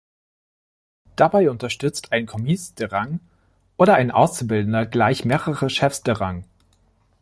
Dabei unterstützt ein Commis de Rang oder ein Auszubildender gleich mehrere Chefs de Rang.